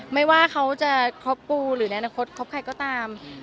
ไม่ว่าเขาจะคบปูหรือในอนาคตคบใครก็ตาม